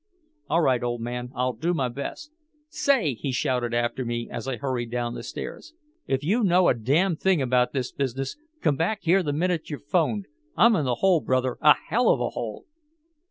"All right, old man, I'll do my best." "Say!" he shouted after me, as I hurried down the stairs. "If you know a damn thing about this business come back here the minute you've 'phoned! I'm in a hole, brother, a hell of a hole!"